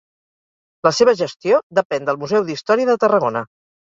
La seva gestió depèn del Museu d'Història de Tarragona.